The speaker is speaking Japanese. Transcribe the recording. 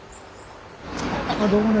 あどうもね。